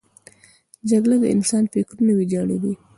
جګړه د انسان فکرونه ویجاړوي